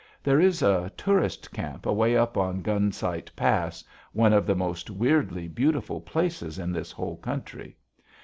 There is a tourist camp away up in Gun Sight Pass, one of the most weirdly beautiful places in this whole country.